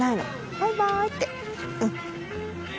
バイバイって。